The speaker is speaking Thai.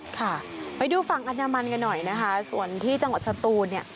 ค่ะไปดูฝั่งอนามันกันหน่อยนะคะส่วนที่จังหวัดสตูนเนี่ย